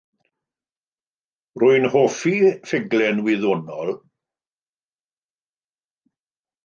Rwy'n hoffi ffuglen wyddonol.